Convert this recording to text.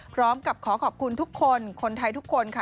พร้อมกับขอขอบคุณทุกคนคนไทยทุกคนค่ะ